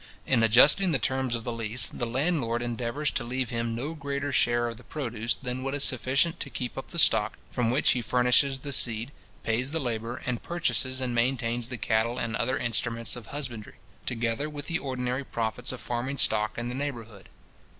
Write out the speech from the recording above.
In adjusting the terms of the lease, the landlord endeavours to leave him no greater share of the produce than what is sufficient to keep up the stock from which he furnishes the seed, pays the labour, and purchases and maintains the cattle and other instruments of husbandry, together with the ordinary profits of farming stock in the neighbourhood.